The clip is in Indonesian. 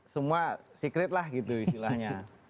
semua secret lah gitu istilahnya